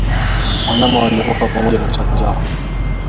Wanyama waliokufa pamoja na taka zao